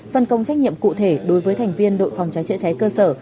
phân công trách nhiệm cụ thể đối với thành viên đội phòng cháy chữa cháy cơ sở